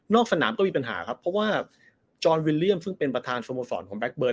สนามก็มีปัญหาครับเพราะว่าจอนวิลเลี่ยมซึ่งเป็นประธานสโมสรของแก๊เบิร์